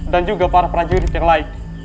dan juga para prajurit yang lain